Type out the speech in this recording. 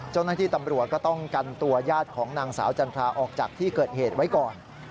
เจ้าหน้าที่ตำรวจก็ต้องกันตัวญาติของนางสาวจันทราออกจากที่เกิดเหตุไว้ก่อน